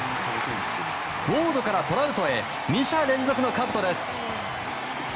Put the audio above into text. ウォードからトラウトへ２者連続のかぶとです。